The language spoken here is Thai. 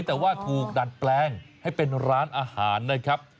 แต่ว่าถูกดัดแปลงให้เป็นร้านอาหารนะครับ